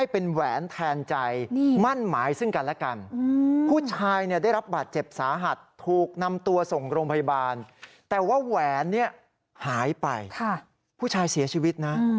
แต่ว่าแหวนนี่หายไปผู้ชายเสียชีวิตนะ